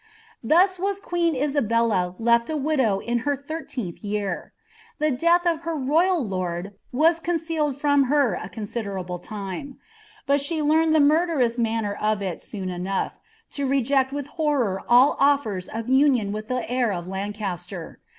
"' Thus was queen Isabella left a widow in her lliiTteenih ytu; tbi death of her royal lord was concealed from her a constdenitib! am: but she learned the murderous manner of it soon enough, lo ifjeci mvi horror all offers of union with the heir of Lancaster.